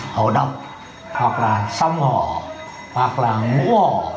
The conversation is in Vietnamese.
hổ đọc hoặc là sông hổ hoặc là ngũ hổ